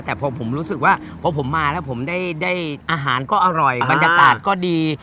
แต่พอผมรู้สึกว่าพอผมมาแล้วผมได้อาหารก็อร่อยบรรยากาศก็ดี